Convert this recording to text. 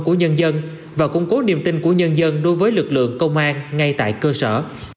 của nhân dân và củng cố niềm tin của nhân dân đối với lực lượng công an ngay tại cơ sở